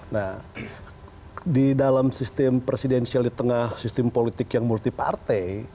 nah di dalam sistem presidensial di tengah sistem politik yang multi partai